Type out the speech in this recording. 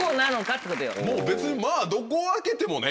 もう別にまぁどこ開けてもね